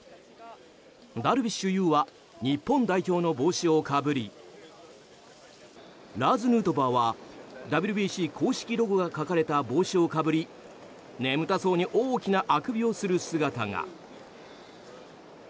ダルビッシュ有は日本代表の帽子をかぶりラーズ・ヌートバーはＷＢＣ公式ロゴが書かれた帽子をかぶり眠たそうに大きなあくびをする姿が。